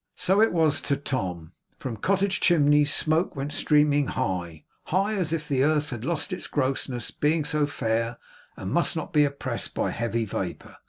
So it was to Tom. From cottage chimneys, smoke went streaming up high, high, as if the earth had lost its grossness, being so fair, and must not be oppressed by heavy vapour.